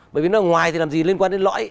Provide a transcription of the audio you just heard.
bởi vì nó ở ngoài thì làm gì liên quan đến lõi